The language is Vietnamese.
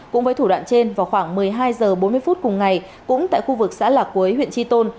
cũng với thủ đoạn trên vào khoảng một mươi hai h bốn mươi phút cùng ngày cũng tại khu vực xã lạc quế huyện tri tôn